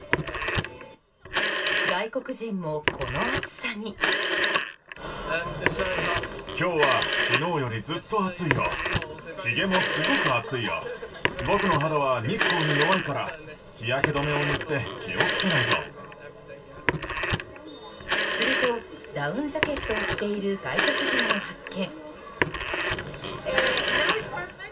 外国人もこの暑さに。すると、ダウンジャケットを着ている外国人を発見。